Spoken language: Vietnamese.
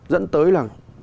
dẫn tới là con người